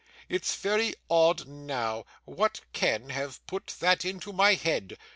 It's very odd now, what can have put that in my head!